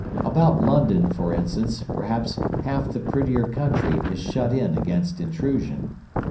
About London, for instance, perhaps half the prettier country is shut in against intrusion.